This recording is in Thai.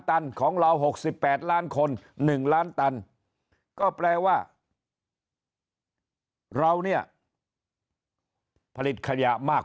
ตันของเรา๖๘ล้านคน๑ล้านตันก็แปลว่าเราเนี่ยผลิตขยะมาก